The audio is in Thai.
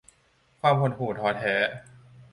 ความหดหู่ท้อแท้